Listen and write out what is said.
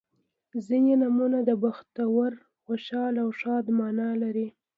• ځینې نومونه د بختور، خوشحال او ښاد معنا لري.